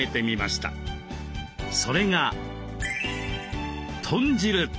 それが豚汁！